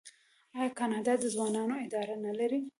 آیا کاناډا د ځوانانو اداره نلري؟